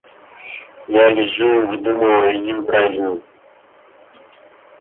Я лежу и выдумываю им казни.